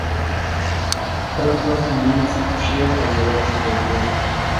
تل به لڅې پښې او یوازې ګرځېد.